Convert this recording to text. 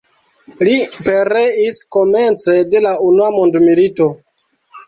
Li pereis komence de la Unua mondmilito.